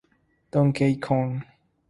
Donkey Kong".